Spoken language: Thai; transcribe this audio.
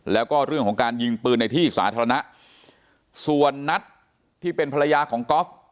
แล้วก็เรื่องของการยิงปืนในที่สาธารณะส่วนนัทที่เป็นภรรยาของก๊อฟ